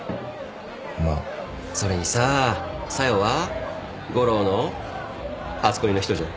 それにさ小夜は悟郎の初恋の人じゃん。